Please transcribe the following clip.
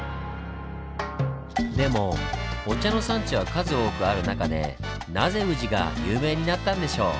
でもお茶の産地は数多くある中でなぜ宇治が有名になったんでしょう？